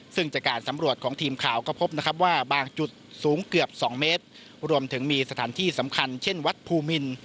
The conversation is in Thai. ซึ่งจากการสำรวจของทีมข่าวก็พบนะครับว่าบางจุดสูงเกือบสองเมตรรวมถึงมีสถานที่สำคัญเช่นวัดภูมิน